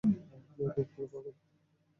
এই লোকগুলো পাগল।